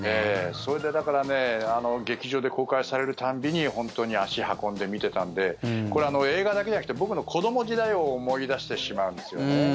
それでだからね劇場で公開される度に本当に足を運んで見ていたので映画だけじゃなくて僕の子ども時代を思い出してしまうんですよね。